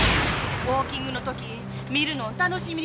ウォーキングの時見るのを楽しみにしてたのに。